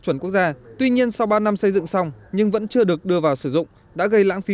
chuẩn quốc gia tuy nhiên sau ba năm xây dựng xong nhưng vẫn chưa được đưa vào sử dụng đã gây lãng phí